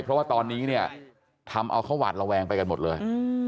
เพราะว่าตอนนี้เนี่ยทำเอาเขาหวาดระแวงไปกันหมดเลย